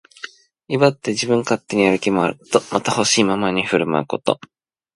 威張って自分勝手に歩き回ること。また、ほしいままに振る舞うこと。